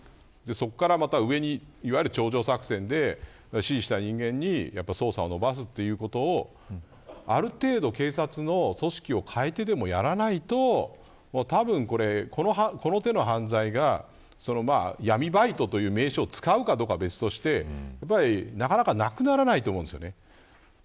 そこから、また上に頂上作戦で指示した人間に捜査をのばすということをある程度、警察の組織を変えてでもやらないとたぶん、この手の犯罪が闇バイトという名称を使うかどうかは別としてなかなかなくならないと思うんですよね。